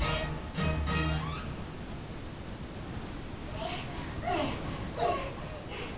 はあはあはあはあ。